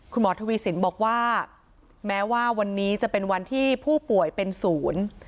คุณหมอทวีสินบอกว่าแม้ว่าวันนี้จะเป็นวันที่ผู้ป่วยเป็นศูนย์